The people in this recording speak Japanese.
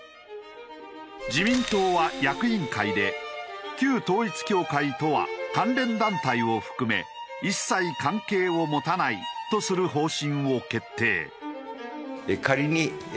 自民党は役員会で旧統一教会とは関連団体を含め一切関係を持たないとする方針を決定。